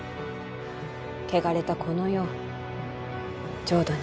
汚れたこの世を浄土に。